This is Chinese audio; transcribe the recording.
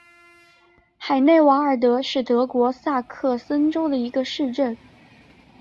海内瓦尔德是德国萨克森州的一个市镇。